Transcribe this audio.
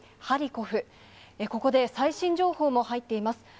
ハリコフ、ここで最新情報も入っています。